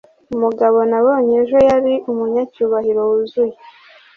umugabo nabonye ejo yari umunyacyubahiro wuzuye.